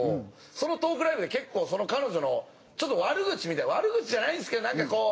そのトークライブで結構その彼女のちょっと悪口みたいな悪口じゃないんですけどなんかこう。